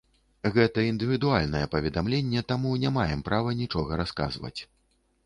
Гэта індывідуальнае паведамленне, таму не маем права нічога расказваць.